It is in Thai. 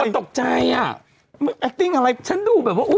ตกใจอ่ะอะไรฉันดูแบบว่าอุ๊ย